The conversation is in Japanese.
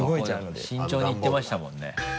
すごい慎重にいってましたもんね。